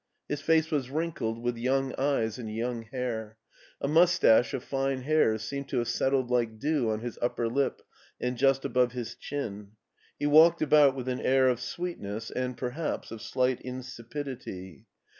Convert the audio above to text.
His face was wrinkled, with young eyes and young hair. A mustache of fine hairs seemed to have settled like dew on his up per lip and just above his chin. He walked about with an air of sweetness and, perhaps, of slight in sipidity.